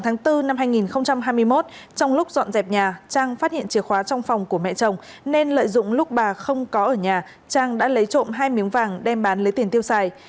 ngày bốn hai nghìn hai mươi một trong lúc dọn dẹp nhà trang phát hiện chìa khóa trong phòng của mẹ chồng nên lợi dụng lúc bà không có ở nhà trang đã lấy trộm hai miếng vàng đem bán lấy tiền tiêu xài